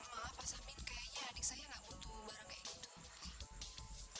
maaf pak samin kayaknya adik saya nggak butuh barang kayak gitu